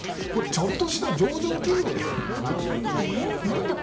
ちょっとした上場企業ですよ７４０億円って。